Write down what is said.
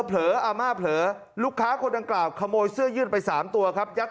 เหลืออาม่าเผลอลูกค้าคนดังกล่าวขโมยเสื้อยืดไป๓ตัวครับยัด